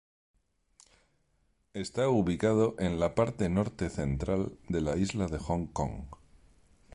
Está ubicado en la parte norte central de la isla de Hong Kong.